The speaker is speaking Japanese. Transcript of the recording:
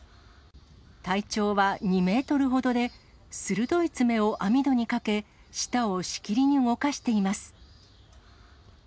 体長は２メートルほどで、鋭い爪を網戸にかけ、舌をしきりに動かしています。